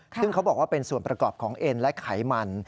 ซึ่งเขาบอกว่าเป็นส่วนประกอบของเอ็นและไขมัน